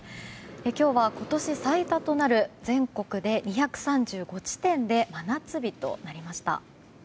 今日は今年最多となる全国で、２３５地点で真夏日となりました。